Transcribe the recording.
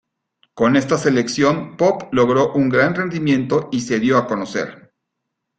Con esta selección Popp logró un gran rendimiento y se dio a conocer.